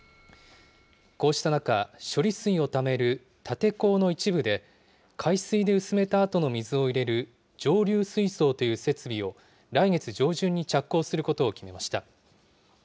こうした中、処理水をためる立て坑の一部で、海水で薄めたあとの水を入れる、上流水槽という設備を来月上旬に着工することを決めました。